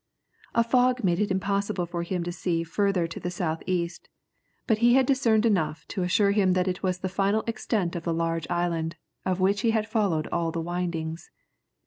A fog made it impossible for him to see further to the south east, but he had discerned enough to assure him that it was the final extent of the large island of which he had followed all the windings.